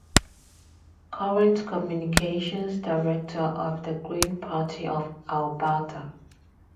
Current Communications Director of the Green Party of Alberta.